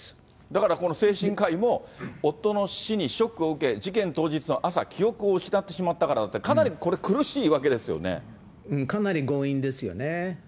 だからこの精神科医も夫の死にショックを受け、事件当日の朝、記憶を失ってしまったからだって、かなりこれ、うん、かなり強引ですよね。